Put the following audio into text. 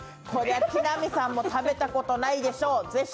こりゃ木南さんも食べたことないでしょう。